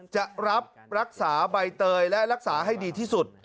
จะรับรักษาใบเตยและรักษาให้ดีที่สุด